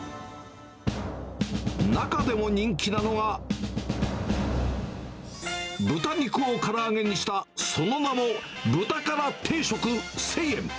中でも人気なのが、豚肉をから揚げにした、その名もブタカラ定食１０００円。